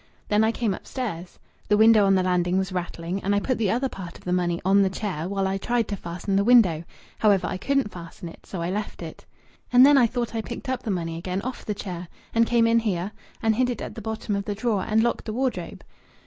Then I came upstairs. The window on the landing was rattling, and I put the other part of the money on the chair while I tried to fasten the window. However, I couldn't fasten it. So I left it. And then I thought I picked up the money again off the chair and came in here and hid it at the bottom of the drawer and locked the wardrobe."